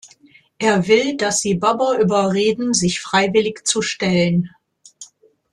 Er will, dass sie Bubber überreden, sich freiwillig zu stellen.